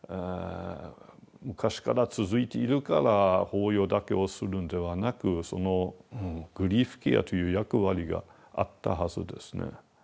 昔から続いているから法要だけをするんではなくそのグリーフケアという役割があったはずですね。